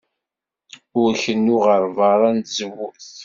Ur kennu ɣer beṛṛa n tzewwut.